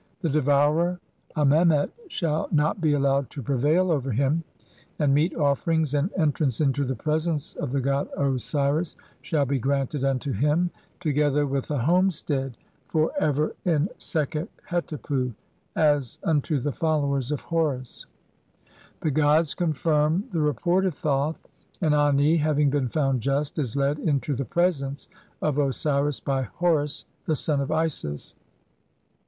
The devourer Amemet shall not be "allowed to prevail over him, and meat offerings and "entrance into the presence of the god Osiris shall "be granted unto him, together with a homestead for THE JUDGMENT OF THE DEAD. CV "ever in Sekhet hetepu, as unto the followers of "Horus." ' The gods confirm the report of Thoth, and Ani, having been found just, is led into the presence of Osiris by "Horus the son of Isis".